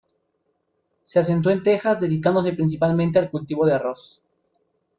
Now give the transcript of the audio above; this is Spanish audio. Se asentó en Texas, dedicándose principalmente al cultivo de arroz.